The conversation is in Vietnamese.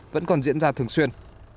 vẫn còn diễn ra thường xuyên